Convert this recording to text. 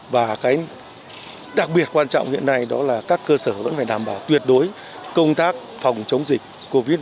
và cái đặc biệt quan trọng hiện nay đó là các cơ sở vẫn phải đảm bảo tuyệt đối công tác phòng chống dịch covid một mươi chín